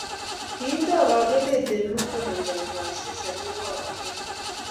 kiinde orokenet Eng' muguldo ng'wany siset noto bo orokenet